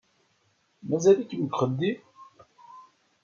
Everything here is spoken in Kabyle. Mazal-ikem deg uxeddim?